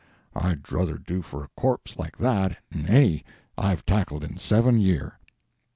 I'd druther do for a corpse like that 'n any I've tackled in seven year.